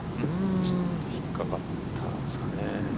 ちょっと引っかかったんですかね。